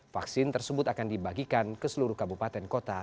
vaksin tersebut akan dibagikan ke seluruh kabupaten kota